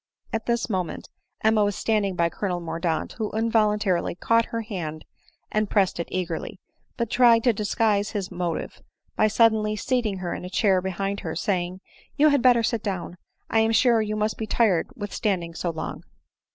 At this, moment Emma was standing by Colonel Mor daunt, who involuntarily caught her hand and pressed it eagerly ; but tried to disguise his motive by suddenly seating her in a chair behind her, saying, " You bad better sit down ; I am sure you must be tired with stand ing so long."